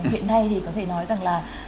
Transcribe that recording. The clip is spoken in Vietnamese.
hiện nay thì có thể nói rằng là